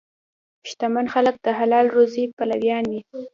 شتمن خلک د حلال روزي پلویان وي.